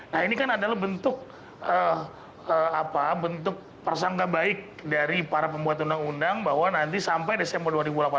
nah ini kan adalah bentuk persangka baik dari para pembuat undang undang bahwa nanti sampai desember dua ribu delapan belas